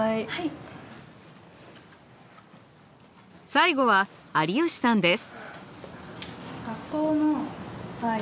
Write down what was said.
最後は有吉さんです。